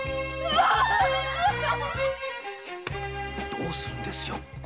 どうするんですよ？